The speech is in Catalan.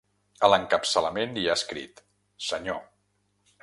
A l’encapçalament hi ha escrit: senyor